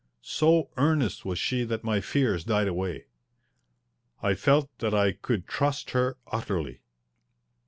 So earnest was she that my fears died away. I felt that I could trust her utterly.